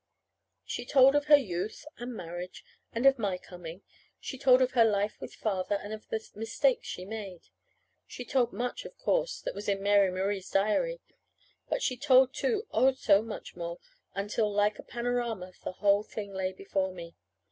She told of her youth and marriage, and of my coming. She told of her life with Father, and of the mistakes she made. She told much, of course, that was in Mary Marie's diary; but she told, too, oh, so much more, until like a panorama the whole thing lay before me.